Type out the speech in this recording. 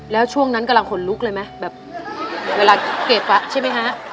แล้วช่วงนั้นกำลังขนลุกเลยไหมแบบเวลาเก็บอ่ะใช่ไหมฮะ